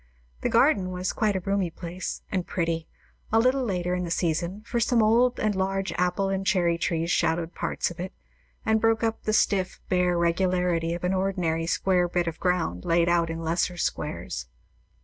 The garden was quite a roomy place, and pretty, a little later in the season; for some old and large apple and cherry trees shadowed parts of it, and broke up the stiff, bare regularity of an ordinary square bit of ground laid out in lesser squares.